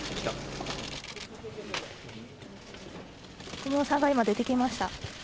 小室さんが今、出てきました。